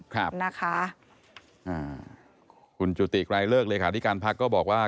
ครับคุณจุติใกล้เลิกเลยค่ะที่การพักก็บอกว่า